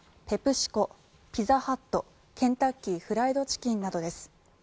ペプシコ、ピザハットケンタッキー・フライド・チキンなどです。